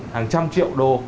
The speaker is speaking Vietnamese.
hàng trăm triệu đô